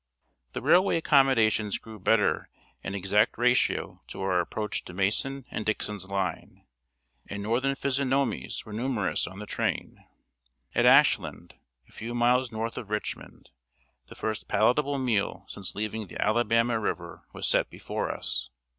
The railway accommodations grew better in exact ratio to our approach to Mason and Dixon's line, and northern physiognomies were numerous on the train. At Ashland, a few miles north of Richmond, the first palatable meal since leaving the Alabama River was set before us.